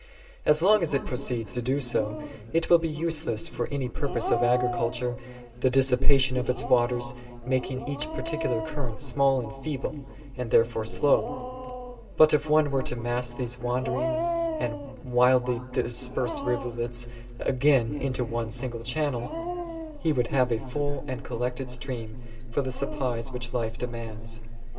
As long as it proceeds so, it will be useless for any purpose of agriculture, the dissipation of its waters making each par ticular current small and feeble, and therefore slow. But if one were to mass these wandering and widely dispersed rivulets again into one single channel, he would have a full and col lected stream for the supplies which life de mands.